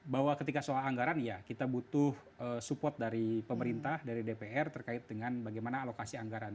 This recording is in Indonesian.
bahwa ketika soal anggaran ya kita butuh support dari pemerintah dari dpr terkait dengan bagaimana alokasi anggaran